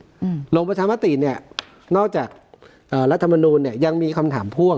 อืมลงประชามติเนี้ยนอกจากเอ่อรัฐมนูลเนี้ยยังมีคำถามพ่วง